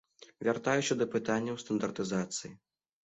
Вяртаюся да пытанняў стандартызацыі.